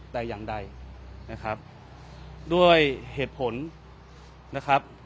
แต่อย่างใดนะครับด้วยเหตุผลนะครับ